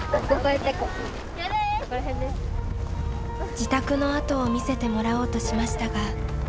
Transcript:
自宅の跡を見せてもらおうとしましたが。